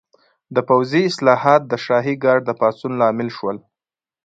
د پوځي اصلاحات د شاهي ګارډ د پاڅون لامل شول.